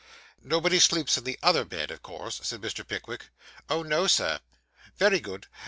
'Nobody sleeps in the other bed, of course,' said Mr. Pickwick. 'Oh, no, Sir.' 'Very good.